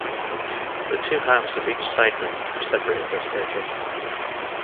The two halves of each side wing are separated by staircases.